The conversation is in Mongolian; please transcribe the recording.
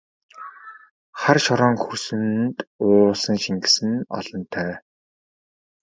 Хар шороон хөрсөнд уусан шингэсэн нь олонтой!